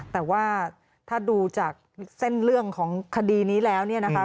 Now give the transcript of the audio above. แต่ว่าถ้าดูจากเส้นเรื่องของคดีนี้แล้วเนี่ยนะคะ